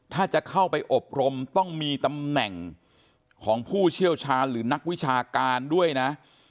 ถ้าจะเข้าไปอบรมต้องมีตำแหน่งของผู้เชี่ยวชาญหรือนักวิชาการด้วยนะ